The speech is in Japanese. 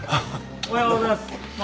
おはようございます。